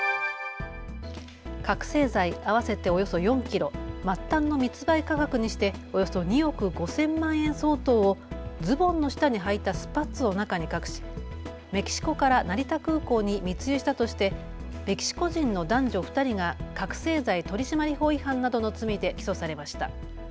覚醒剤合わせておよそ４キロ、末端の密売価格にしておよそ２億５０００万円相当をズボンの下にはいたスパッツの中に隠しメキシコから成田空港に密輸したとしてメキシコ人の男女２人が覚醒剤取締法違反などの罪で起訴されました。